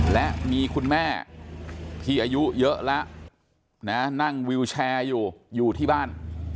และมีคุณแม่ที่อายุเยอะแล้วนะนั่งวิวแชร์อยู่อยู่ที่บ้าน